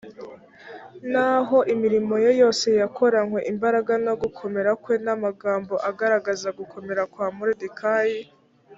naho imirimo ye yose yakoranywe imbaraga no gukomera kwe n amagambo agaragaza gukomera kwa moridekayi